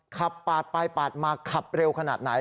ขับปาดไปปาดมาขับเร็วขนาดไหน